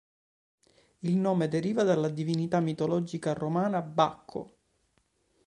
Il nome deriva dalla divinità della mitologia romana Bacco.